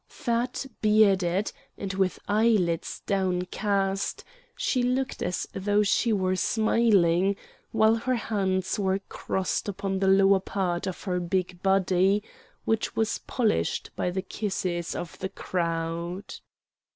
Fat, bearded, and with eyelids downcast, she looked as though she were smiling, while her hands were crossed upon the lower part of her big body, which was polished by the kisses of the crowd.